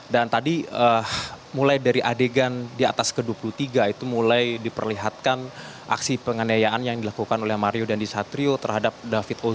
dan tadi mulai dari adegan di atas ke dua puluh tiga itu mulai diperlihatkan aksi penganiayaan yang dilakukan oleh mario dandisatrio terhadap david ozora